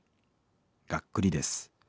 がっくりです。